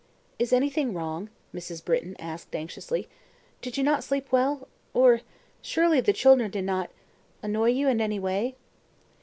"Is anything wrong?" Mrs. Britton asked anxiously. "Did you not sleep well or surely the children did not annoy you in any way?"